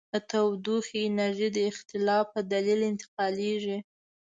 د تودوخې انرژي د اختلاف په دلیل انتقالیږي.